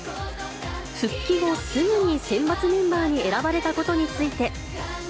復帰後すぐに選抜メンバーに選ばれたことについて。